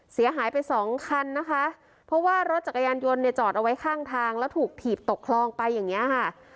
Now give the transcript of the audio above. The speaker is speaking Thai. เสียหายไปสองคันนะคะเพราะว่ารถจักรยานยนต์เนี่ยจอดเอาไว้ข้างทางแล้วถูกถีบตกคลองไปอย่างเงี้ยค่ะ